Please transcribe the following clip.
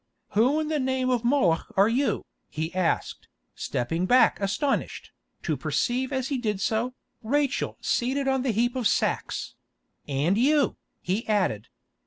"Who in the name of Moloch are you?" he asked, stepping back astonished, to perceive as he did so, Rachel seated on the heap of sacks; "and you," he added.